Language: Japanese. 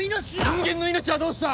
人間の命はどうした！